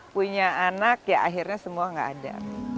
punya anak ya akhirnya semua gak ada